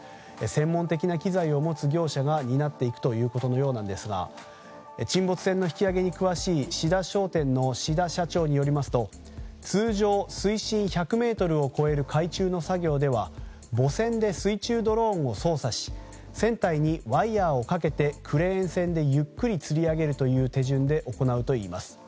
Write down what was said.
専門的な機材を持つ業者が担っていくことのようですが沈没船の引き揚げに詳しい信太商店の信太社長によりますと通常、水深１００ｍを超える海中の作業では母船で水中ドローンを操作し船体にワイヤをかけてクレーン船でゆっくりつり上げるという手順で行うといいます。